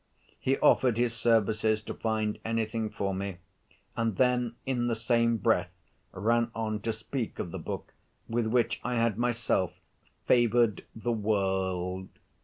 He offered his services to find anything for me, and then in the same breath ran on to speak of the book with which I had myself "favored the world"!